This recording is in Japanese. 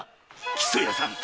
木曽屋さん！